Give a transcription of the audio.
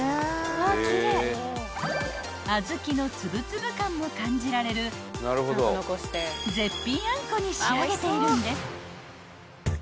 ［小豆のつぶつぶ感も感じられる絶品あんこに仕上げているんです］